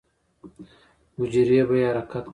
حجرې به يې حرکت کا.